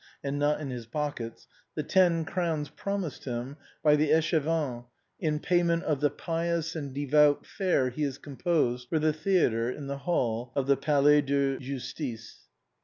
and not in his pockets — the ten crowns promised him by the échevins in payment of the pious and devout farce he has composed for the theatre in the hall of the Palais de Justice.